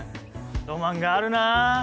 ロマンがあるな。